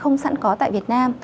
không sẵn có tại việt nam